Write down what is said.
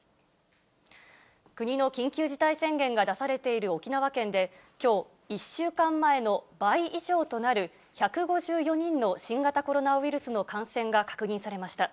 国の緊急事態宣言が出されている沖縄県で、きょう、１週間前の倍以上となる１５４人の新型コロナウイルスの感染が確認されました。